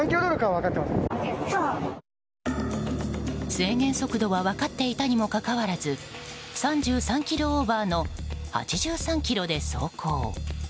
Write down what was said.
制限速度は分かっていたにもかかわらず３３キロオーバーの８３キロで走行。